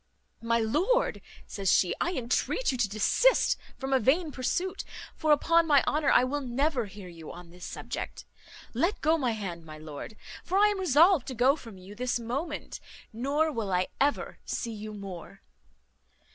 "My lord," says she, "I intreat you to desist from a vain pursuit; for, upon my honour, I will never hear you on this subject. Let go my hand, my lord; for I am resolved to go from you this moment; nor will I ever see you more."